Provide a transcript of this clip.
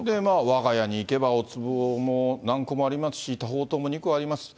わが家にいけば、おつぼも何個もありますし、多宝塔も２個あります。